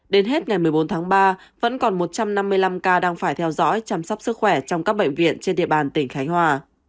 đến hết ngày một mươi bốn tháng ba vẫn còn một trăm năm mươi năm ca đang phải theo dõi chăm sóc sức khỏe trong các bệnh viện trên địa bàn tỉnh khánh hòa